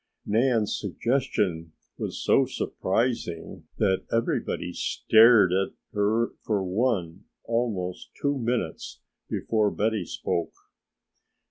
Nan's suggestion was so surprising that everybody stared at her for one, almost two minutes before Betty spoke.